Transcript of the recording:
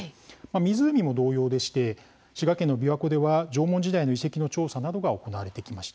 湖も同様でして滋賀県のびわ湖では縄文時代の遺跡の調査などが行われてきました。